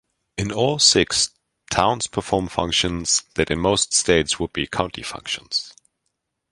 In all six, towns perform functions that in most states would be county functions.